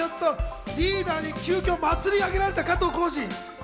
ちょっと今、リーダーに急きょ祭り上げられた浩次。